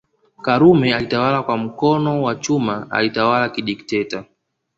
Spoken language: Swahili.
Karume alitawala kwa mkono wa chuma alitawala kidikteta